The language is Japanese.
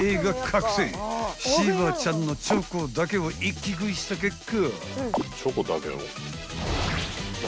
［しばちゃんのチョコだけを一気食いした結果］